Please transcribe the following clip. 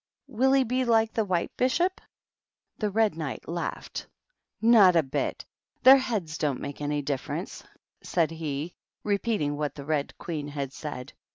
"Will he be like the White Bishop?" The Red Knight laughed. " Not a bit of it. TKeir heads don't make any difference," said hee repeating what the Red Queen had said.